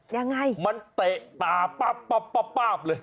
ยังไงมันเตะตาป๊าบปั๊บเลย